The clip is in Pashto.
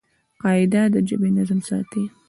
قاعده د ژبي نظم ساتي.